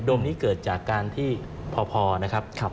มนี้เกิดจากการที่พอนะครับ